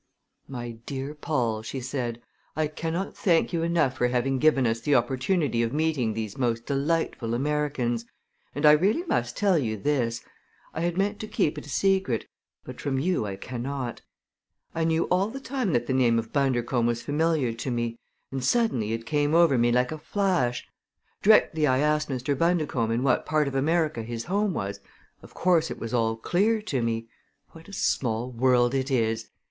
"My dear Paul," she said, "I cannot thank you enough for having given us the opportunity of meeting these most delightful Americans, and I really must tell you this I had meant to keep it a secret, but from you I cannot; I knew all the time that the name of Bundercombe was familiar to me, and suddenly it came over me like a flash! Directly I asked Mr. Bundercombe in what part of America his home was, of course it was all clear to me. What a small world it is!